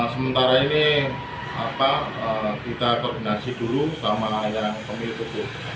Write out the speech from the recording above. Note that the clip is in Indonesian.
sementara ini kita koordinasi dulu sama yang pemilik publik